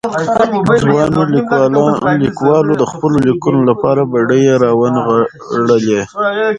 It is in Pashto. ځوانو ليکوالو د خپلو ليکنو لپاره بډې را ونغاړلې.